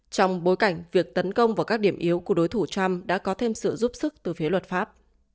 trong bối cảnh việc tấn công vào các điểm yếu của đối thủ trump đã có thêm sự giúp sức từ phía luật pháp